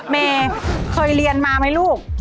เมย์เคยเรียนมาไหมลูก